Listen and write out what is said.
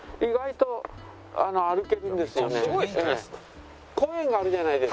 すごいですね。